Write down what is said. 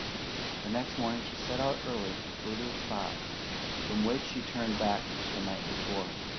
The next morning she set out early and flew to the spot from which she had turned back the night before.